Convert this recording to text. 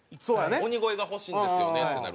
「鬼越が欲しいんですよね」ってなる。